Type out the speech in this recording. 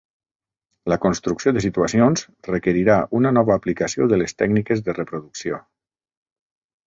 La construcció de situacions requerirà una nova aplicació de les tècniques de reproducció.